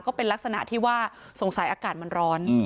ก็เป็นลักษณะที่ว่าสงสัยอากาศมันร้อน